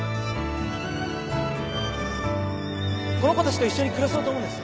この子たちと一緒に暮らそうと思うんです